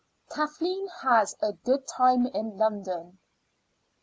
KATHLEEN HAS A GOOD TIME IN LONDON.